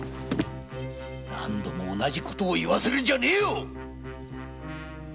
何度も同じことを言わせるんじゃねぇよ！